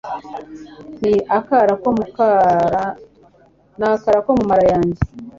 ni akara ko mu mara yanjye